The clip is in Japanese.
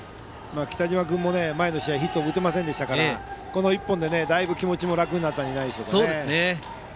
北島君も前の試合ヒット打てませんでしたからこの１本でだいぶ気持ちも楽になったんじゃないでしょうか。